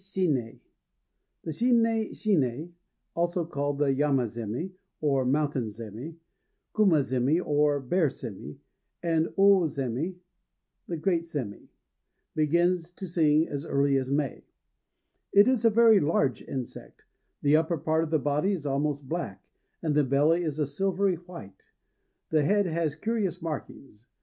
"SHINNÉ SHINNÉ." THE shinné shinné also called yama zémi, or "mountain sémi"; kuma zémi, or "bear sémi"; and ô sémi, or "great sémi" begins to sing as early as May. It is a very large insect. The upper part of the body is almost black, and the belly a silvery white; the head has curious red markings.